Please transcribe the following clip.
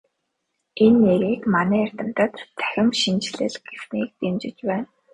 Энэ нэрийг манай эрдэмтэд "Цахим хэлшинжлэл" гэснийг дэмжиж байна.